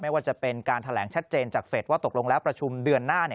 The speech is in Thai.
ว่าจะเป็นการแถลงชัดเจนจากเฟสว่าตกลงแล้วประชุมเดือนหน้า